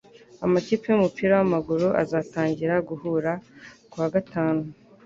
Amakipe y'umupira w'amaguru azatangira guhura kuwa gatanu